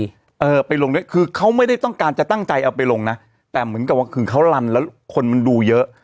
เออไปลงด้วยคือเขาไม่ได้ต้องการจะตั้งใจเอาไปลงนะแต่เหมือนกับว่าคือเขารำแล้วคนมันดูเยอะ